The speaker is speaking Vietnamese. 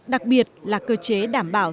đặc biệt là cơ chế đảm bảo